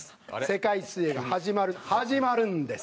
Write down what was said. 世界水泳が始まる始まるんです。